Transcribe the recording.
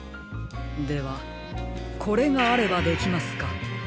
ではこれがあればできますか？